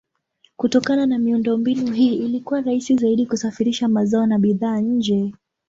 Kutokana na miundombinu hii ilikuwa rahisi zaidi kusafirisha mazao na bidhaa nje.